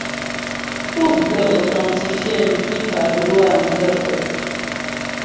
Pú ghə́ authentifier mpípá lwâ m gaə̂kə́ ?